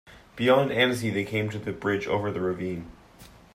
Beyond Annecy, they came to the bridge over the ravine.